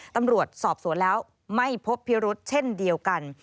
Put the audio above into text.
ตำรวจสอบสวนแล้วไม่พบพิรุษเช่นเดียวกัน